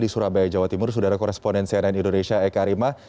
di surabaya jawa timur sudah ada koresponen cnn indonesia eka rima